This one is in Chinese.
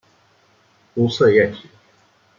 无色液体。